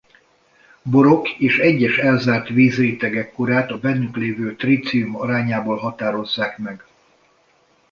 Borok és egyes elzárt vízrétegek korát a bennük lévő trícium arányából határozzák meg.